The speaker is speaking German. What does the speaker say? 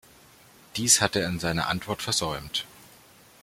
Dies hat er in seiner Antwort versäumt.